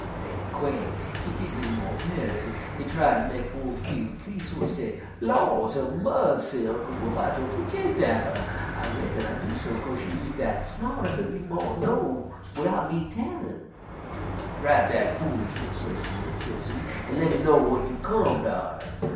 "Den Quail he git li'l mo' pearter, an' he try ter mek Wolf feel please', so he say, 'Laws a mussy! Uncle Wolf, I done fergit dat, but I reckon I do so 'kase you is dat smart I thought you mought know widout me tellin'.' "'Drap dat foolishness,' sez Wolf, sezee, 'an' lemme know w'at you comed atter.'